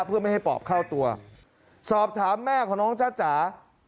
เพื่อไม่ให้ปอบเข้าตัวสอบถามแม่ของน้องจ้าจ๋า